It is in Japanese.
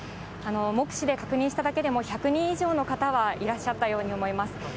目視で確認しただけでも、１００人以上の方がいらっしゃったように思います。